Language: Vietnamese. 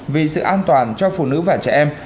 vì sự an toàn cho phụ nữ và trẻ em